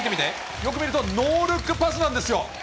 よく見ると、ノールックパスなんですよ。